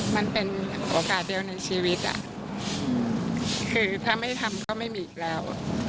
มันเป็นโอกาสเดียวในชีวิตอ่ะคือถ้าไม่ทำก็ไม่มีอีกแล้ว